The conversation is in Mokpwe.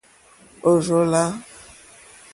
Ò rzô lá.